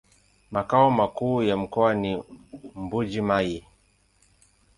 Makao makuu ya mkoa ni Mbuji-Mayi.